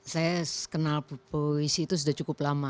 saya kenal puisi itu sudah cukup lama